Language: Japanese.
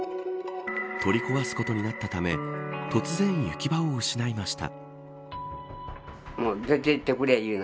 取り壊すことになったため突然、行き場を失いました。